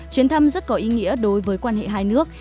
chuyến thăm rất có ý nghĩa đối với quan hệ hai nước